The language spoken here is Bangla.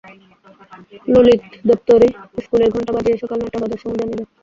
ললিত দপ্তরি স্কুলের ঘণ্টা বাজিয়ে সকাল নয়টা বাজার সময় জানিয়ে দেয়।